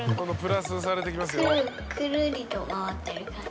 くるりと回ってる感じ。